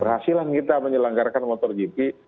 berhasilan kita menyelenggarakan motor jipi